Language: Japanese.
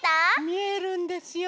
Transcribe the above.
みえるんですよ。